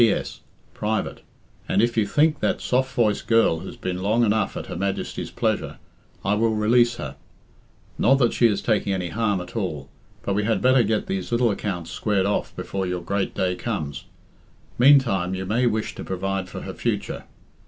"P. S. Private. And if you think that soft voiced girl has been long enough 'At Her Majesty's pleasure,' I will release her. Not that she is taking any harm at all, but we had better get these little accounts squared off before your great day comes. Meantime you may wish to provide for her future.